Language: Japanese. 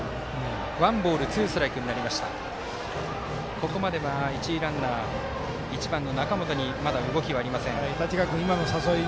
ここまでは一塁ランナー１番の中本にまだ動きはありません。